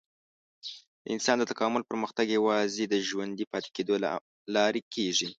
د انسان د تکامل پرمختګ یوازې د ژوندي پاتې کېدو له لارې کېږي.